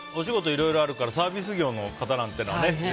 いろいろあるからサービス業の方なんてのはね。